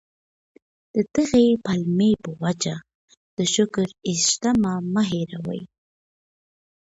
د دغي پلمې په وجه د شکر ایسهمېشه مه هېروه.